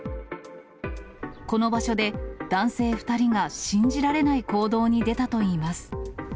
この場所で、男性２人が信じられない行動に出たといいます。